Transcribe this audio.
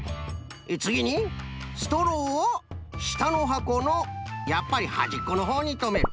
つぎにストローをしたのはこのやっぱりはじっこのほうにとめる。